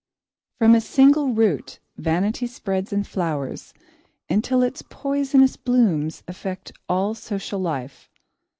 From a single root vanity spreads and flowers until its poisonous blooms affect all social life.